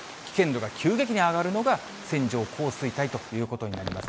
非常に危険な状態と、危険度が急激に上がるのが線状降水帯ということになります。